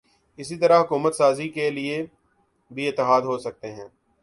اسی طرح حکومت سازی کے لیے بھی اتحاد ہو سکتے ہیں۔